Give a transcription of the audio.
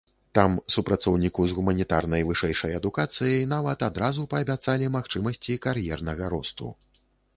Там супрацоўніку з гуманітарнай вышэйшай адукацыяй нават адразу паабяцалі магчымасці кар'ернага росту.